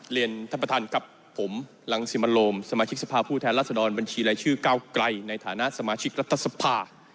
เรียนท่านประธานกับผมรังสิมโลมสมาชิกสภาพผู้แทนรัศดรบัญชีรายชื่อก้าวไกลในฐานะสมาชิกรัฐสภา